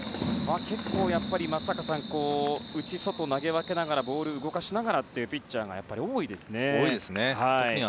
内、外と投げ分けながらボールを動かしながらというピッチャーが多いですね、松坂さん。